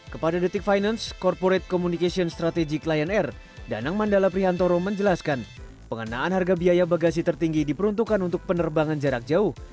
kepada detik finance corporate communication strategic lion air danang mandala prihantoro menjelaskan pengenaan harga biaya bagasi tertinggi diperuntukkan untuk penerbangan jarak jauh